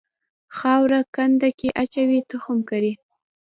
خاوره کنده کې اچوي تخم کري.